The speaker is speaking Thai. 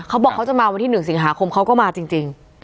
เขาบอกเขาจะมาวันที่๑สิงหาคมเขาก็มาจริง